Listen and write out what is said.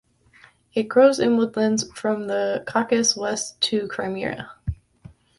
It grows in woodlands from the Caucasus west to Crimea.